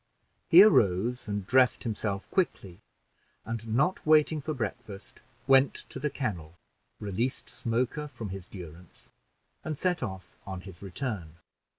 He arose and dressed himself quickly, and, not waiting for breakfast, went to the kennel, released Smoker from his durance, and set off on his return.